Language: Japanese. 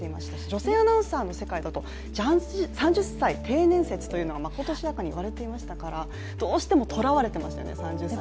女性アナウンサーの世界だと３０歳定年説がまことしやかに言われていましたからどうしてもとらわれてましたよね、３０歳。